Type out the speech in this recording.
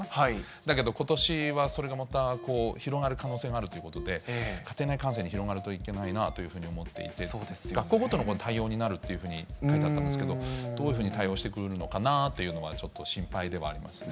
だけどことしはそれがまた広がる可能性があるということで、家庭内感染に広がるといけないなと思っていて、学校ごとの対応になるっていうふうに書いてあったんですけど、どういうふうに対応していくのかなというのがちょっと心配ではありますね。